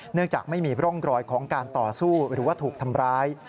จากไม่มีร่องรอยของการต่อสู้หรือว่าถูกทำร้าย